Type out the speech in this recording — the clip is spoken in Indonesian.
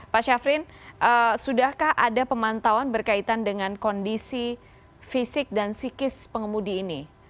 pak syafrin sudahkah ada pemantauan berkaitan dengan kondisi fisik dan psikis pengemudi ini